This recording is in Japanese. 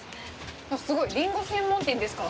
すごい、リンゴ専門店ですか。